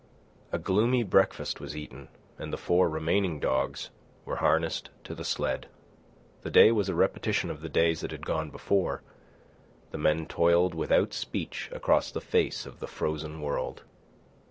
A gloomy breakfast was eaten, and the four remaining dogs were harnessed to the sled. The day was a repetition of the days that had gone before. The men toiled without speech across the face of the frozen world.